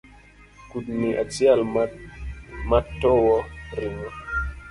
Kudni achielematowo ringo